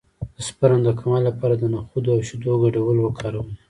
د سپرم د کموالي لپاره د نخود او شیدو ګډول وکاروئ